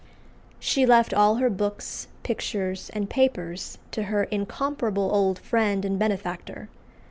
She left all her books, pictures, and papers to her incomparable old friend and benefactor.